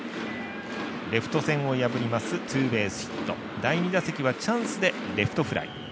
レフト線を破りますツーベースヒット第２打席はチャンスでレフトフライ。